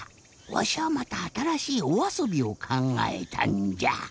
わしゃあまたあたらしいおあそびをかんがえたんじゃ。